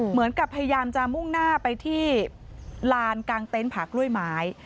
เหมือนกับพยายามจะมุ่งหน้าไปที่ลานกลางเต็นต์ผากล้วยไม้